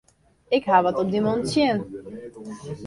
Ik haw wat op dy man tsjin.